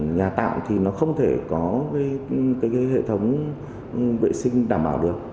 nhà tạo thì nó không thể có cái hệ thống vệ sinh đảm bảo được